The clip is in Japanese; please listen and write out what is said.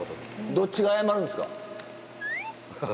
どっちが謝るんすか？